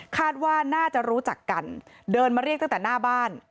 คาดว่าน่าจะรู้จักกันเดินมาเรียกตั้งแต่หน้าบ้าน